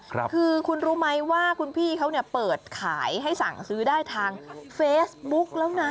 คือคุณรู้ไหมว่าคุณพี่เขาเนี่ยเปิดขายให้สั่งซื้อได้ทางเฟซบุ๊กแล้วนะ